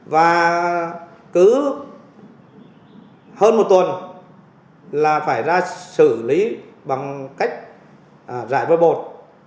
và cứ hơn một tuần là phải ra xử lý bằng cách rải vơi bột